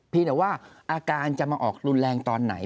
แต่ว่าอาการจะมาออกรุนแรงตอนไหน